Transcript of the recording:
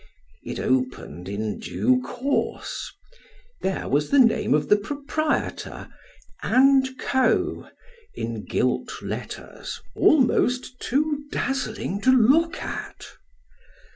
It opened in due course ; there was the name of the proprietor " and Co," in gilt letters, almost too dazzling to look at.